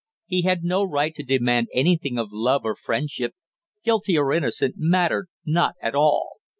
He had no right to demand anything of love or friendship, guilty or innocent mattered not at all!